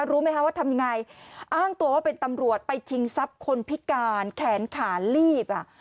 รู้ไหมคะว่าทำยังไงอ้างตัวว่าเป็นตำรวจไปชิงทรัพย์คนพิการแขนขาลีบอ่ะ